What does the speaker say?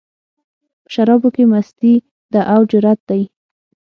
په شرابو کې مستي ده، او جرت دی